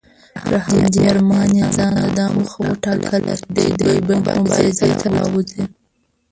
پر همدې ارمان یې ځانته دا موخه وټاکله چې دی به مبارزې ته راوځي.